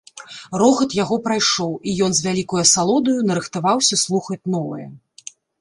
Рогат яго прайшоў, і ён з вялікаю асалодаю нарыхтаваўся слухаць новае.